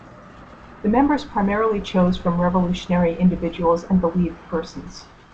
The members primarily chose from revolutionary individuals and believed persons.